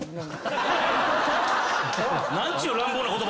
何ちゅう乱暴な言葉！